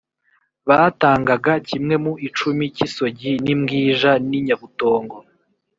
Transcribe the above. . Batangaga ‘‘kimwe mu icumi cy’isogi n’imbwija n’inyabutongo